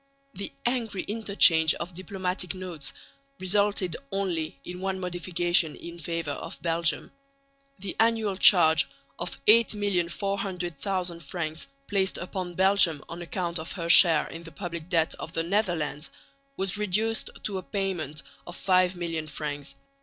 The angry interchange of diplomatic notes resulted only in one modification in favour of Belgium. The annual charge of 8,400,000 francs placed upon Belgium on account of her share in the public debt of the Netherlands was reduced to a payment of 5,000,000 francs.